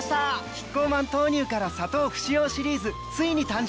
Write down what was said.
キッコーマン豆乳から砂糖不使用シリーズついに誕生！